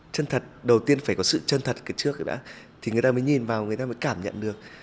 chân thật đầu tiên phải có sự chân thật từ trước đã thì người ta mới nhìn vào người ta mới cảm nhận được